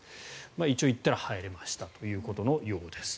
一応行ったら入れましたということのようです。